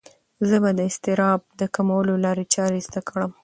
زه به د اضطراب د کمولو لارې چارې زده کړم.